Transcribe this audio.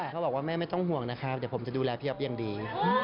เขาบอกว่าแม่ไม่ต้องห่วงนะครับเดี๋ยวผมจะดูแลพี่อ๊อฟอย่างดี